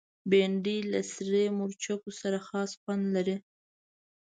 بېنډۍ له سرې مرچو سره خاص خوند لري